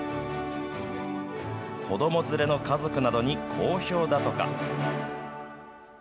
子ども連れの家族などに好評だとか。